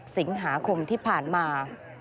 สิงหาคมที่ผ่านมา